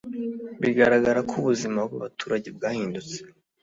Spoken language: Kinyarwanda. "Bigaragara ko ubuzima bw’abaturage bwahindutse